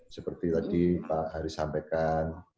seperti tadi pak haris sampaikan